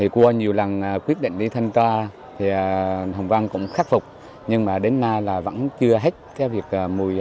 qua nhiều lần quyết định đi thanh toa hùng vân cũng khắc phục nhưng đến nay vẫn chưa hết mùi hôi thối gặp ảnh hưởng đến sức khỏe của người dân